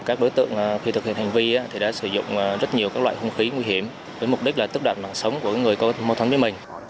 các đối tượng khi thực hiện hành vi thì đã sử dụng rất nhiều các loại hung khí nguy hiểm với mục đích là tức đặt mạng sống của người có mâu thuẫn với mình